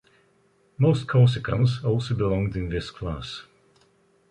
Most Corsicans also belonged in this class.